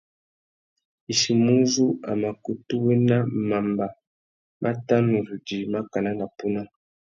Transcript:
Ichimuzú, a mà kutu wena mamba má tà nu zu djï makana na puna.